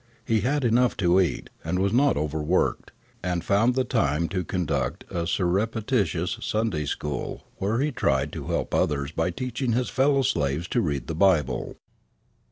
He had enough to eat, was not overworked, and found the time to conduct a surreptitious Sunday school, where he tried to help others by teaching his fellow slaves to read the Bible.